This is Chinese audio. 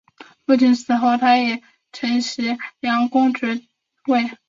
父亲死后他承袭城阳公爵位。